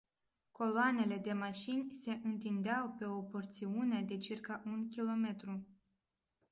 Coloanele de mașini se întindeau pe o porțiune de circa un kilometru.